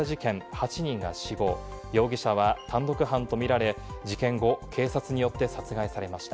８人が死亡、容疑者は単独犯とみられ、事件後、警察によって殺害されました。